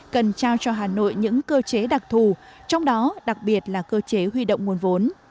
cần trao cho hà nội những cơ chế đặc thù trong đó đặc biệt là cơ chế huy động nguồn vốn